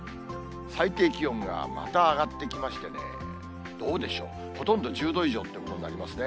最低気温がまた上がってきましてね、どうでしょう、ほとんど１０度以上ってことになりますね。